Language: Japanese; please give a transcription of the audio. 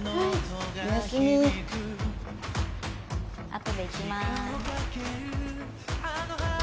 あとで行きまーす。